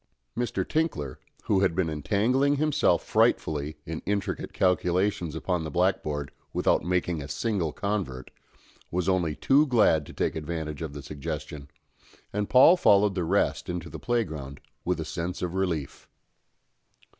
Mr. Tinkler, who had been entangling himself frightfully in intricate calculations upon the blackboard, without making a single convert, was only too glad to take advantage of the suggestion, and Paul followed the rest into the playground with a sense of relief.